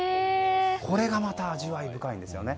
これがまた味わい深いんですよね。